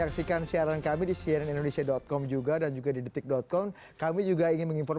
itu kan sudah ada mata anggarannya sendiri